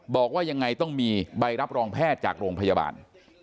บอกว่ายังไงต้องมีใบรับรองแพทย์จากโรงพยาบาล